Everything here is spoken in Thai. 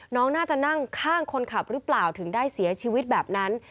น้องน่าจะนั่งข้างคนขับหรือเปล่าถึงได้เสียชีวิตแบบนั้น